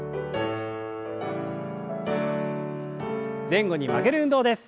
前後に曲げる運動です。